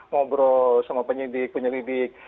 ngobrol sama penyelidik penyelidik